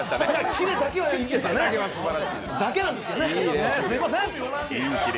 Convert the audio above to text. キレだけはいいんですよね、キレだけなんですよね。